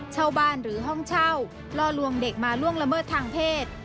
เช่าบ้านหรือห้องเช่าล่อลวงเด็กมาล่วงละเมิดทางเพศ